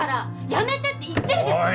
やめてって言ってるでしょ！